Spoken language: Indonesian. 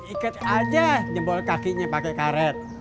ikat aja jempol kakinya pakai karet